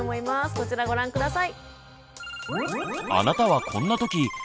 こちらご覧下さい。